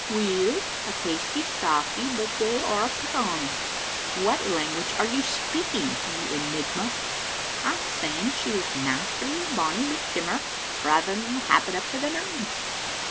" Weel, a tasty stocky, but gey orra put on." " What language are you speaking, you enigma?" "I'm saying she was naturally a bonny bit kimmer rather than happit up to the nines."